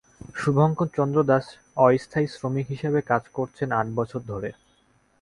শুভংকর চন্দ্র দাস অস্থায়ী শ্রমিক হিসেবে কাজ করছেন আট বছর ধরে।